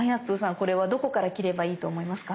これはどこから切ればいいと思いますか？